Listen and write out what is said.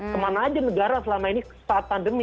kemana aja negara selama ini saat pandemi